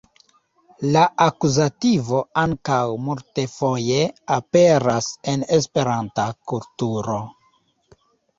La akuzativo ankaŭ multfoje aperas en Esperanta kulturo.